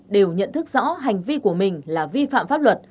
đều nhận thức rõ hành vi của mình là vi phạm pháp luật